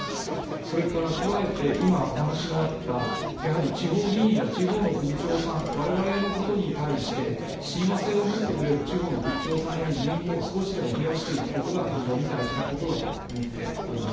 それから加えて今、お話のあった、やはり地方議員や地方の首長さん、われわれのことに対して親和性を持ってくれる地方の首長さんや議員を少しでも増やしていくことが、非常に大事なことだと思っております。